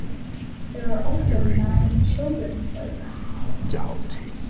There are also nine children's playgrounds.